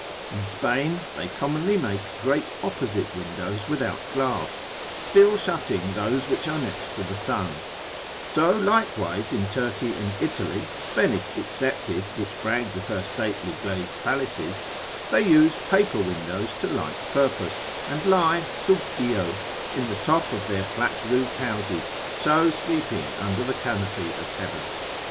In Spain they commonly make great opposite windows without glass, still shutting those which are next to the sun: so likewise in Turkey and Italy (Venice excepted, which brags of her stately glazed palaces) they use paper windows to like purpose; and lie, sub dio, in the top of their flat roofed houses, so sleeping under the canopy of heaven.